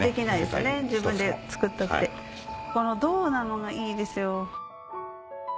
この銅なのがいいですよ。